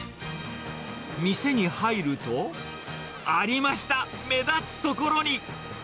店に入ると、ありました、目立つ所に。